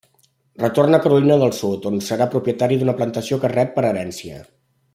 Retorna a Carolina del Sud on serà propietari d'una plantació que rep per herència.